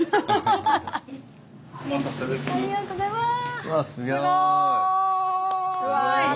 またはありがとうございます。